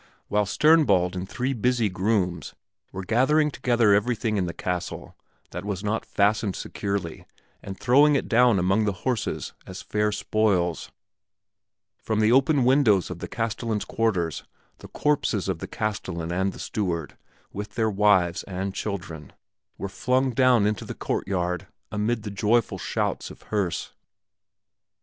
While Sternbald and three busy grooms were gathering together everything in the castle that was not fastened securely and throwing it down among the horses as fair spoils, from the open windows of the castellan's quarters the corpses of the castellan and the steward, with their wives and children, were flung down into the courtyard amid the joyful shouts of Herse.